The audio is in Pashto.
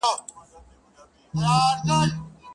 زه لکه پل خلک مي هره ورځ په لار کی ویني!!